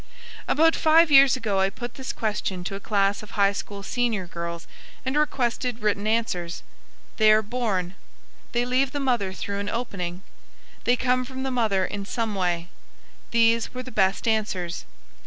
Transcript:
About five years ago I put this question to a class of high school senior girls and requested written answers. "They are born"; "they leave the mother through an opening"; "they come from the mother in some way" these were the best answers.